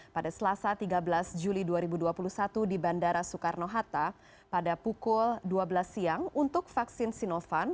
pada selasa tiga belas juli dua ribu dua puluh satu di bandara soekarno hatta pada pukul dua belas siang untuk vaksin sinovac